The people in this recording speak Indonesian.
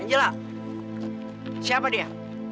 angel siapa dia